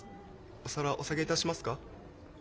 お皿お下げいたしますか？